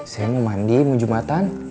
saya mau mandi mau jumatan